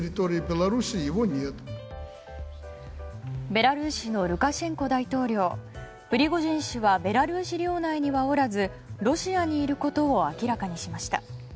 ベラルーシのルカシェンコ大統領プリゴジン氏はベラルーシ領内にはおらずロシアにいることを明らかにしました。